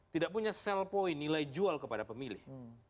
tidak punya sell point nilai jual kepada pemilih